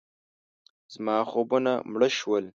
زما خوبونه مړه شول.